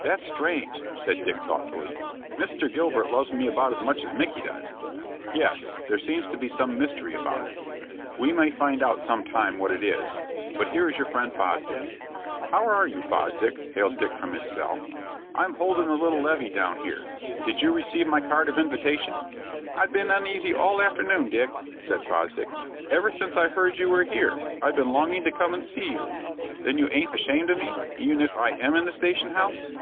"That's strange!" said Dick, thoughtfully. "Mr. Gilbert loves me about as much as Micky does." "Yes, there seems to be some mystery about it. We may find out some time what it is. But here is your friend Fosdick." "How are you, Fosdick?" hailed Dick from his cell. "I'm holdin' a little levee down here. Did you receive my card of invitation?" "I've been uneasy all the afternoon, Dick," said Fosdick. "Ever since I heard that you were here, I've been longing to come and see you." "Then you aint ashamed of me, even if I am in the station house?"